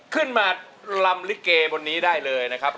ขึ้นมาลำลิเกบนนี้ได้เลยนะครับ